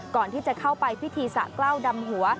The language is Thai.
ก่อนที่จะเข้าไปพิธีสะกล้าวดำหัว